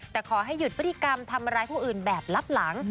แต่ขอให้หยุดพฤติกรรมทำร้ายผู้อื่นแบบลับหลัง